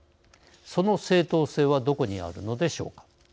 その正当性はどこにあるのでしょうか。